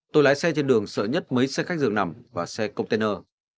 tôi lái xe trên đường sợ nhất mấy xe khách dường nằm và xe container